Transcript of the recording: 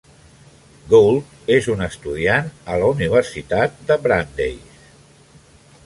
Gould és un estudiant a la Universitat de Brandeis.